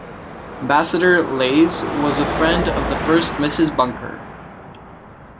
Ambassador Laise was a friend of the first Mrs. Bunker.